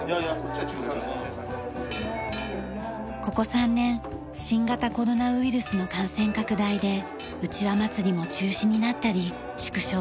ここ３年新型コロナウイルスの感染拡大でうちわ祭も中止になったり縮小されたり。